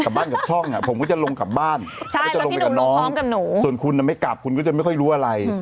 ฉันก็ต้องเงินคุยงานวันนี้แล้วเป็นเวลากี่ปี